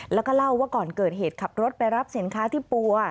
แล้วก็เล่าว่าก่อนเกิดเหตุขับรถไปรับสินค้าที่ปัว